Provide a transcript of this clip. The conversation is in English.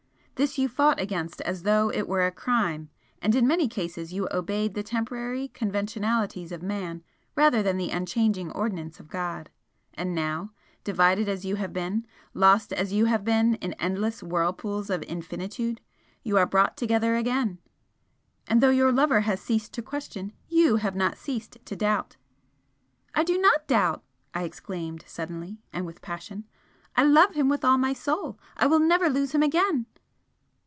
This you fought against as though it were a crime, and in many cases you obeyed the temporary conventionalities of man rather than the unchanging ordinance of God. And now divided as you have been lost as you have been in endless whirlpools of infinitude, you are brought together again and though your lover has ceased to question, you have not ceased to doubt!" "I do not doubt!" I exclaimed, suddenly, and with passion "I love him with all my soul! I will never lose him again!"